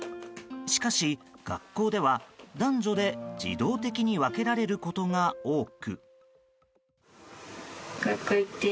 しかし、学校では、男女的に自動的に分けられることが多く。